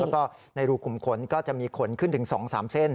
แล้วก็ในรูขุมขนก็จะมีขนขึ้นถึง๒๓เส้น